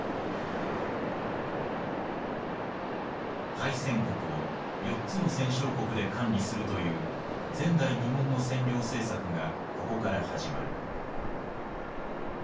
敗戦国を４つの戦勝国で管理するという前代未聞の占領政策がここから始まる。